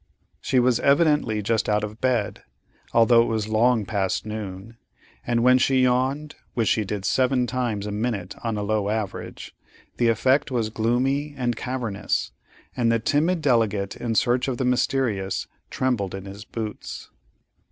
She was evidently just out of bed, although it was long past noon, and when she yawned, which she did seven times a minute on a low average, the effect was gloomy and cavernous, and the timid delegate in search of the mysterious trembled in his boots.